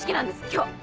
今日。